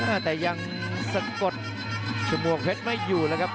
อ๊าแต่ยังสกดชมวงเพชรไว้อยู่เลยครับ